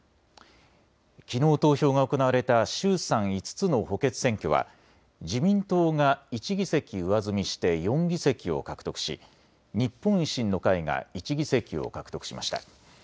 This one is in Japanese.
きのう投票が行われた衆参５つの補欠選挙は自民党が１議席上積みして４議席を獲得し日本維新の会が１議席を獲得しました。